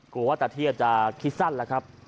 กลัวว่าตาเทียบจะคิดสั้นแล้วครับ